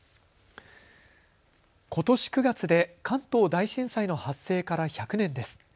ことし９月で関東大震災の発生から１００年です。